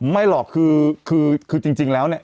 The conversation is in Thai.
ไม่หรอกคือจริงแล้วเนี่ย